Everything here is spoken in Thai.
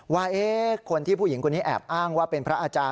ว่าคนที่ผู้หญิงคนนี้แอบอ้างว่าเป็นพระอาจารย์